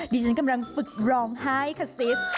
ดิฉันกำลังฝึกร้องไห้คาซิส